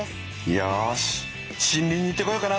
よし森林に行ってこようかな。